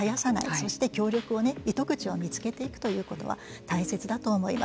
そして協力を糸口を見つけていくということは大切だと思います。